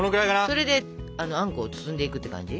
それであんこを包んでいくって感じ。